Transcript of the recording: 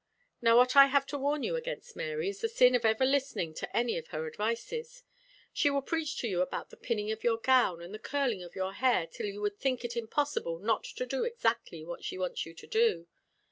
Now what I have to warn you against, Mary, is the sin of ever listening to any of her advices. She will preach to you about the pinning of your gown and the curling of your hair till you would think it impossible not to do exactly what she wants you to do.